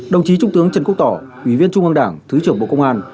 đồng chí trung tướng trần quốc tỏ ủy viên trung ương đảng thứ trưởng bộ công an